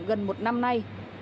gần một năm nay